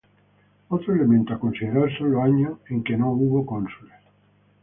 Otro elemento a considerar son los años en que no hubo cónsules.